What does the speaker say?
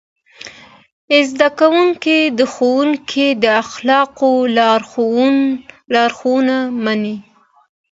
زدهکوونکي د ښوونځي د اخلاقو لارښوونه مني.